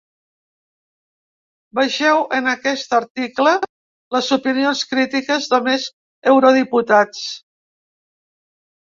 Vegeu en aquest article les opinions crítiques de més eurodiputats.